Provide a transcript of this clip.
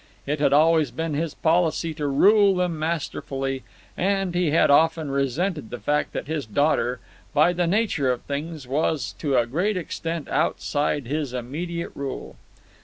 It had always been his policy to rule them masterfully, and he had often resented the fact that his daughter, by the nature of things, was to a great extent outside his immediate rule.